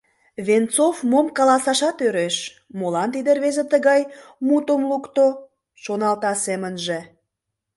Венцов мом каласашат ӧреш: «Молан тиде рвезе тыгай мутым лукто?» — шоналта семынже.